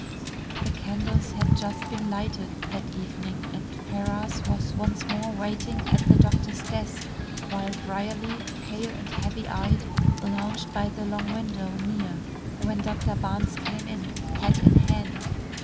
The candles had just been lighted that evening, and Ferrars was once more waiting at the doctor's desk, while Brierly, pale and heavy eyed, lounged by the long window near, when Dr. Barnes came in, hat in hand.